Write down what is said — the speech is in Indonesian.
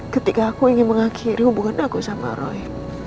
ketika aku ingin mengakhiri hubungan aku sama roy